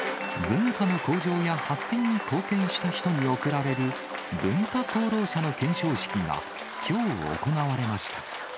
文化の向上や発展に貢献した人に贈られる文化功労者の顕彰式がきょう行われました。